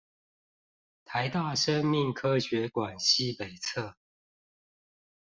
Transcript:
臺大生命科學館西北側